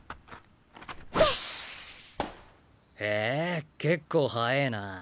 へえ結構速えな。